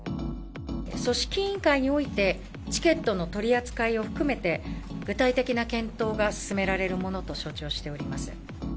組織委員会においてチケットの取り扱いを含めて、具体的な検討が進められるものと承知をしております。